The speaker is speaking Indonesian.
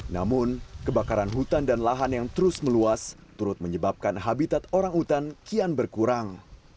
namun kebakaran hutan dan lahan yang terus meluas turut menyebabkan habitat orang hutan kian berkurang